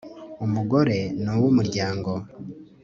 umugore ni uwo umuryango